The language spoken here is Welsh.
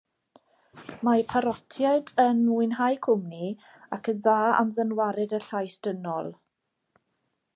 Mae parotiaid yn mwynhau cwmni ac yn dda am ddynwared y llais dynol.